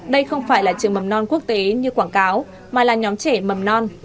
đây không phải là trường mầm non quốc tế như quảng cáo mà là nhóm trẻ mầm non